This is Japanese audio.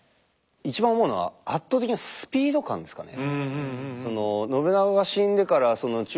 一番思うのは圧倒的なスピード感ですかね。